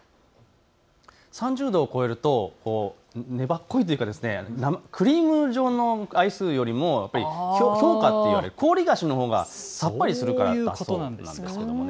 ３０度を超えると粘っこいというかクリーム状のアイスよりも氷菓といわれる氷菓子のほうがさっぱりするからだそうです。